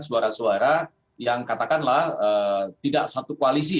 suara suara yang katakanlah tidak satu koalisi